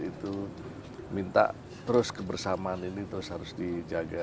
itu minta terus kebersamaan ini terus harus dijaga